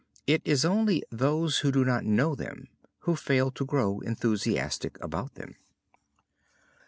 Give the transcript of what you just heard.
It is only those who do not know them who fail to grow enthusiastic about them.